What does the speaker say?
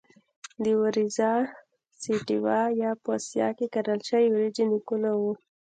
د Oryza sativa یا په اسیا کې کرل شوې وریجې نیکونه وو.